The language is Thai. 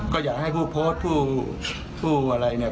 ก็อยากให้ผู้โพสต์ผู้อะไร